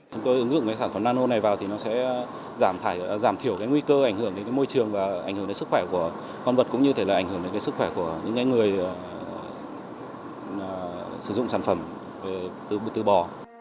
chúng tôi ứng dụng sản phẩm nano này vào thì nó sẽ giảm thiểu nguy cơ ảnh hưởng đến môi trường và ảnh hưởng đến sức khỏe của con vật cũng như thể là ảnh hưởng đến sức khỏe của những người sử dụng sản phẩm từ bò